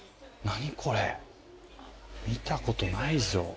見たことないぞ。